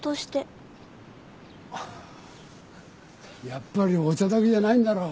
やっぱりお茶だけじゃないんだろ？